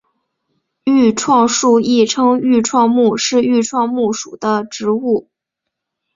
愈创树亦称愈创木是愈创木属的植物。